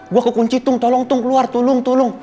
gue kekunci tung tolong tung keluar tulung tulung